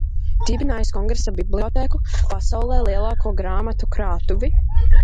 Dibinājis Kongresa bibliotēku – pasaulē lielāko grāmatu krātuvi.